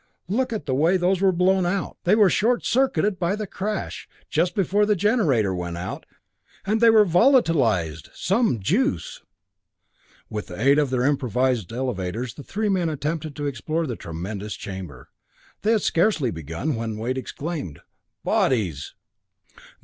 Look at the way those were blown out! They were short circuited by the crash, just before the generator went out, and they were volatilized! Some juice!" With the aid of their improvised elevators, the three men attempted to explore the tremendous chamber. They had scarcely begun, when Wade exclaimed: "Bodies!"